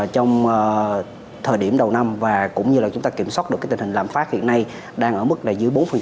trong thời điểm đầu năm và cũng như là chúng ta kiểm soát được tình hình lạm phát hiện nay đang ở mức là dưới bốn